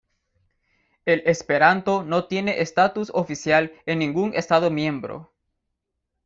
El esperanto no tiene estatus oficial en ningún Estado miembro.